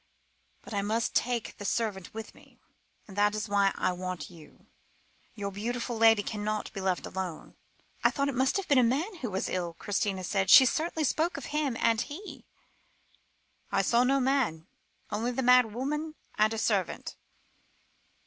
But I must take the servant with me, and that is why I want you. Your beautiful lady cannot be left alone." "I thought it must have been a man who was ill," Christina said; "she certainly spoke of 'him' and 'he.'" "I saw no man, only the madwoman and a servant."